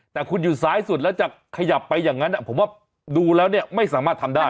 แต่คุณอยู่ซ้ายสุดแล้วจะขยับไปอย่างนั้นผมว่าดูแล้วเนี่ยไม่สามารถทำได้